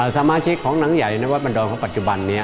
สมาชิกของหนังใหญ่นวัดบันดรของปัจจุบันนี้